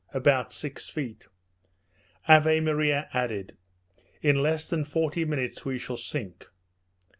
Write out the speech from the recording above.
About six feet. Ave Maria added, "In less than forty minutes we shall sink."